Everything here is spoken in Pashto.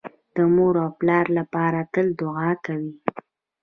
د مور او پلار لپاره تل دوعا کوئ